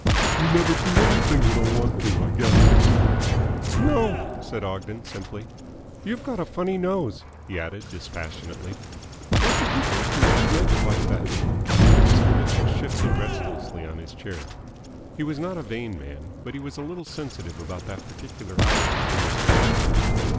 "You never do anything you don't want to, I guess?" "No," said Ogden simply. "You've got a funny nose," he added dispassionately. "What did you do to it to make it like that?" Mr. Mitchell shifted restlessly on his chair. He was not a vain man, but he was a little sensitive about that particular item in his make up.